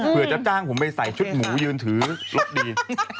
เพื่อจะจ้างผมไปใส่ชุดหมูยืนถือรถดี